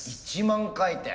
１万回転。